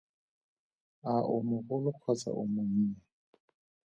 A o mogolo kgotsa o monnye?